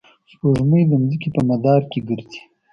سپوږمۍ د ځمکې په مدار کې ګرځي.